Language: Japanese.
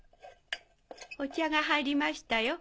お茶が入りましたよ